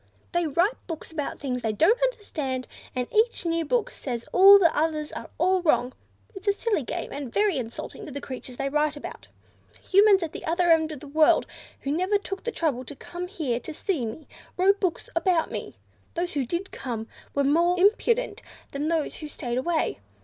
They write books about things they don't understand, and keep the game going by each new book saying the others are all wrong. It's a silly game, and very insulting to the creatures they write about. Humans at the other end of the world, who, never took the trouble to come here to see me, wrote books about me. Those who did come were more impudent than those who stayed away.